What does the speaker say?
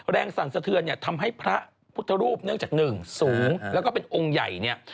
แรงสั่นสะเทือนทำให้พระพุทธรูปเนื่องจาก๑สูงแล้วก็เป็นองค์ใหญ่